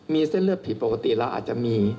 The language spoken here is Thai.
มีเส้นเลือดผิดปกติเราอาจจะมี